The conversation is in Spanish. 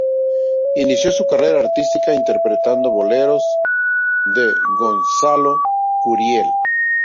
Inició su carrera artística interpretando boleros de Gonzalo Curiel.